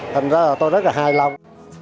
thành ra tôi rất là hài lòng